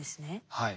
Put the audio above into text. はい。